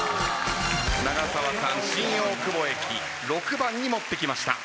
長澤さん新大久保駅６番に持ってきました。